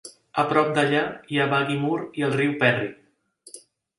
A prop d'allà hi ha Baggy Moor i el riu Perry.